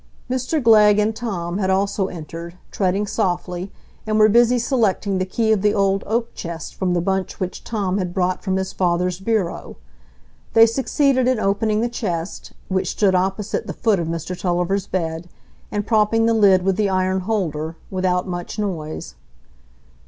Mr Glegg and Tom had also entered, treading softly, and were busy selecting the key of the old oak chest from the bunch which Tom had brought from his father's bureau. They succeeded in opening the chest,—which stood opposite the foot of Mr Tulliver's bed,—and propping the lid with the iron holder, without much noise.